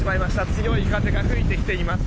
強い風が吹いてきています。